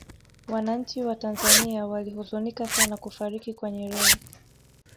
wananchi wa tanzania walihuzunika sana kufariki kwa nyerere